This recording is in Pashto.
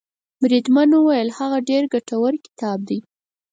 بریدمن وویل هغه ډېر ګټور کتاب دی.